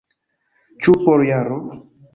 Ĉu por jaro?